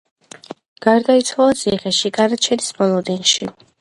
გარდაიცვალა ციხეში განაჩენის მოლოდინში.